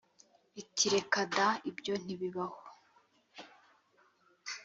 iti reka da ibyo ntibibaho.